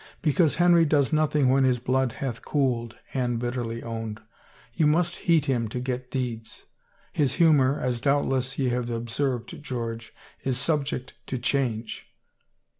" Because Henry does nothing when his blood hath cooled," Anne bitterly owned. " You must heat him to get deeds. His humor, as doubtless ye have observed, George, is subject to change."